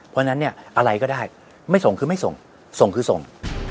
เพราะฉะนั้นเนี่ยอะไรก็ได้ไม่ส่งคือไม่ส่งส่งคือส่ง